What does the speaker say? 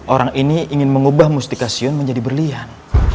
orang ini ingin mengubah mustika sion menjadi berlian